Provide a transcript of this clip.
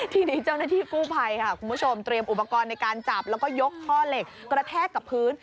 ทีนี้เจ้าหน้าที่กู้ภัยค่ะคุณผู้ชมเตรียมอุปกรณ์ในการจับแล้วก็ยกท่อเหล็กกระแทกกับพื้น